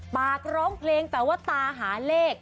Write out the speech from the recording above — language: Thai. ร้องเพลงแต่ว่าตาหาเลข